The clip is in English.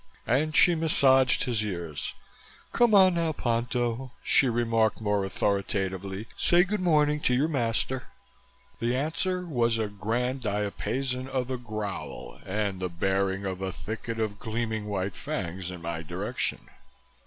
And she massaged his ears. "Come on now, Ponto," she remarked more authoritatively, "say good morning to your master." The answer was a grand diapason of a growl and the baring of a thicket of gleaming white fangs in my direction.